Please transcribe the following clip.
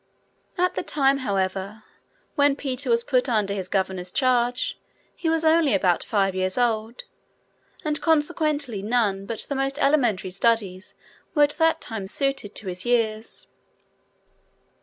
At the time, however, when Peter was put under his governor's charge he was only about five years old, and, consequently, none but the most elementary studies were at that time suited to his years.